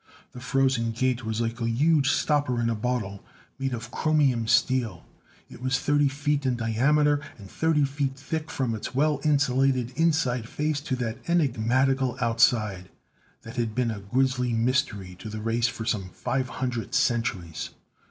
The Frozen Gate was like a huge stopper in a bottle, made of chromium steel. It was thirty feet in diameter, and thirty feet thick from its well insulated inside face to that enigmatical Outside that had been a grisly mystery to the race for some five hundred centuries.